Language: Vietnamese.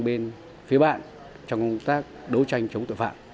bên phía bạn trong công tác đấu tranh chống tội phạm